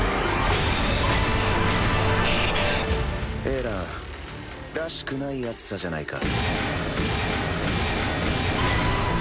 エランらしくない熱さじゃないか。